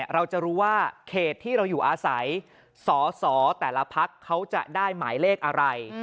เราจะรู้ว่าเขตที่เราอยู่อาศัยสอสอแต่ละพักเขาจะได้หมายเลขอะไร